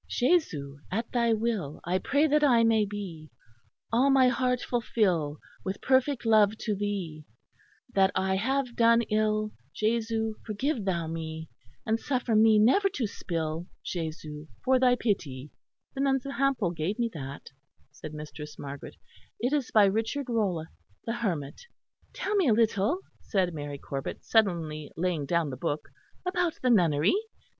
"Jesu, at thy will, I pray that I may be, All my heart fulfil with perfect love to thee: That I have done ill, Jesu forgive thou me: And suffer me never to spill, Jesu for thy pity." "The nuns of Hampole gave me that," said Mistress Margaret. "It is by Richard Rolle, the hermit." "Tell me a little," said Mary Corbet, suddenly laying down the book, "about the nunnery."